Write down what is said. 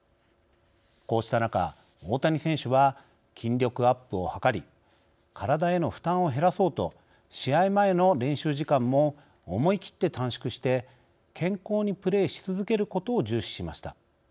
こうした中、大谷選手は筋力アップを図り体への負担を減らそうと試合前の練習時間も思い切って短縮して健康にプレーし続けることを重視しました。